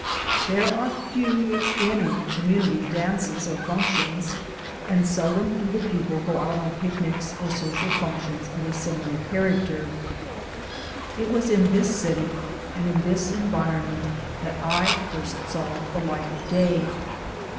There are few, if any, community dances or func tions, and seldom do the people go out on picnics or social functions of a similar character. It was in this city and in this environment that I first saw the light of day.